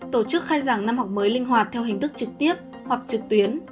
tổ chức khai giảng năm học mới linh hoạt theo hình thức trực tiếp hoặc trực tuyến